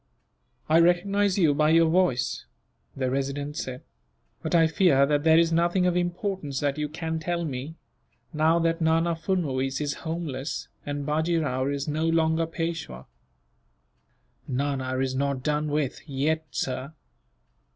"I recognize you by your voice," the Resident said; "but I fear that there is nothing of importance that you can tell me; now that Nana Furnuwees is homeless, and Bajee Rao is no longer Peishwa." "Nana is not done with, yet, sir."